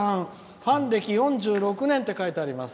ファン歴４６年って書いてあります。